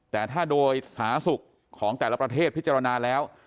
แต่ถ้าโดยสาธารณสุขของแต่ละประเทศพิจารณาแล้ว